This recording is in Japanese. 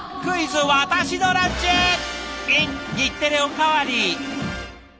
ｉｎ日テレおかわり。